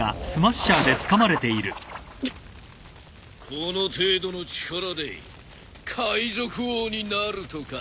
この程度の力で海賊王になるとか。